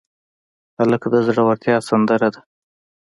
هلک د زړورتیا سندره ده.